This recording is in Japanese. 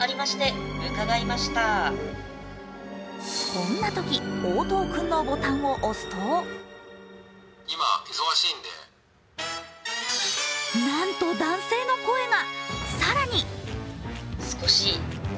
こんなとき、応答くんのボタンを押すとなんと、男性の声が。